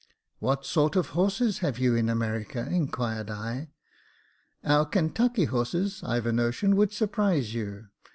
" What sort of horses have you in America ?" in quired I. " Our Kentucky horses, I've a notion, would surprise you.